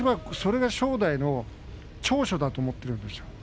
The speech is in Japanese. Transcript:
でも私はそれが正代の長所だと思っているんです。